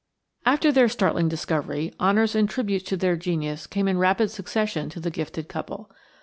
After their startling discovery, honors and tributes to their genius came in rapid succession to the gifted couple.